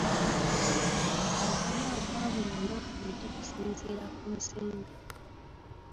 Okulya okwa buli lunaku bulijjo kusinziira ku nsimbi.